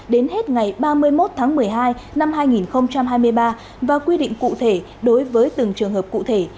đến hết ngày ba mươi một tháng một mươi hai năm hai nghìn hai mươi ba và quy định cụ thể đối với từng trường hợp cụ thể